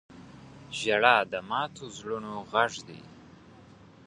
• ژړا د ماتو زړونو غږ دی.